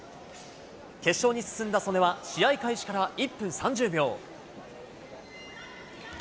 決勝に進んだ素根は試合開始から１分３０秒。